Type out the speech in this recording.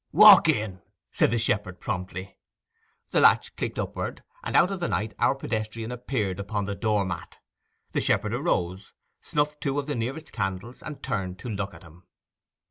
'Walk in!' said the shepherd promptly. The latch clicked upward, and out of the night our pedestrian appeared upon the door mat. The shepherd arose, snuffed two of the nearest candles, and turned to look at him.